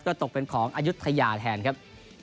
ก็ตกเป็นของอายุทยาแทนครับ